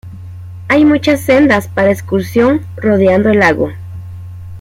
Hay muchas sendas para excursión rodeando el lago.